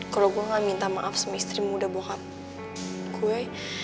kalau gue gak minta maaf sama istri muda bohong